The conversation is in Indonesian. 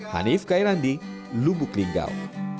hanif kairandi lubuk linggau